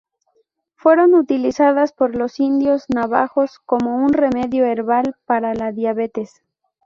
Fueron utilizadas por los indios navajos como un remedio herbal para la diabetes.